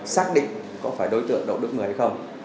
xác định có phải đối tượng đậu đức một mươi hay không